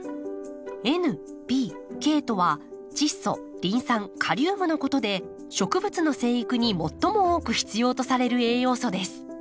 「Ｎ」「Ｐ」「Ｋ」とは「チッ素」「リン酸」「カリウム」のことで植物の生育に最も多く必要とされる栄養素です。